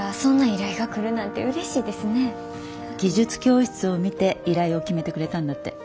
技術教室を見て依頼を決めてくれたんだって。